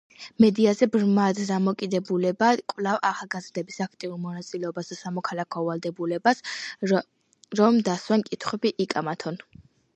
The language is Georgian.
მედიაზე ბრმად დამოკიდებულება კლავს ახალგაზრდების აქტიურ მონაწილეობას და სამოქალაქო ვალდებულებას, რომ დასვან კითხვები, იკამათონ.